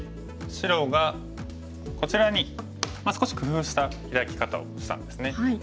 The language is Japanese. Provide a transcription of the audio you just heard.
白がこちらに少し工夫したヒラキ方をしたんですね。